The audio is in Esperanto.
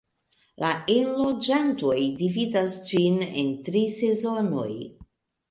La enloĝantoj dividas ĝin en tri sezonoj.